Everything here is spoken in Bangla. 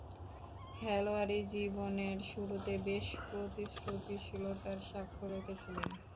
খেলোয়াড়ী জীবনের শুরুতে বেশ প্রতিশ্রুতিশীলতার স্বাক্ষর রেখেছিলেন।